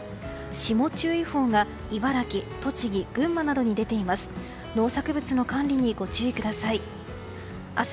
霜注意報が茨城、栃木群馬などに出ています。